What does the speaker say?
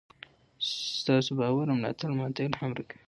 ستاسو باور او ملاتړ ماته الهام راکوي.